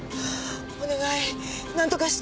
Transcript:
お願い何とかして。